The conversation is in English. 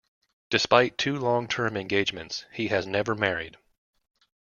Despite two long-term engagements, he has never married.